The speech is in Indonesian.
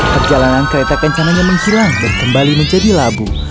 perjalanan kereta kencananya menghilang dan kembali menjadi labu